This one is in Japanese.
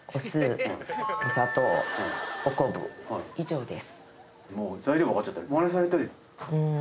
以上です。